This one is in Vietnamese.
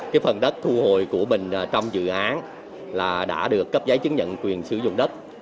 cái phần đất thu hồi của mình trong dự án là đã được cấp giấy chứng nhận quyền sử dụng đất